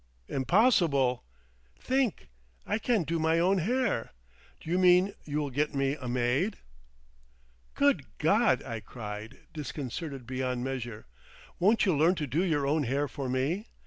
"Impossible!" "Think! I can't do my own hair! Do you mean you will get me a maid?" "Good God!" I cried, disconcerted beyond measure, "won't you learn to do your own hair for me?